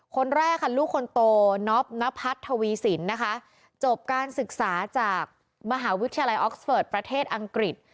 คนแรกค่ะลูกคนโตน็อปนพัฒน์ทวีสินนะคะจบการศึกษาจากมหาวิทยาลัยออกสเปิร์ตประเทศอังกฤษ